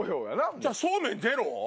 じゃそうめんゼロ？